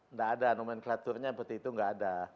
nggak ada nomenklaturnya seperti itu nggak ada